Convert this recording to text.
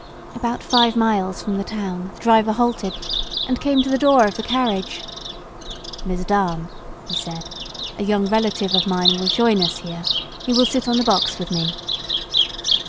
About five miles from the town the driver halted, and came to the door of the carriage. "Mesdames," be said "a young relative of mine will join us here, he will sit on the box with me."